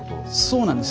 そうなんですね。